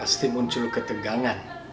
saya merasa sangat ketegangan